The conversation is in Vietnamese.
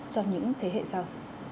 thế hệ sau